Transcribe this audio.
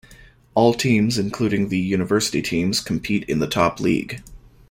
All teams including the University teams compete in the Top League.